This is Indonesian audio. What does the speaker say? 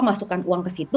masukkan uang ke situ